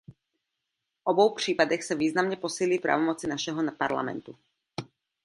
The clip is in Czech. V obou případech se významně posílí pravomoci našeho parlamentu.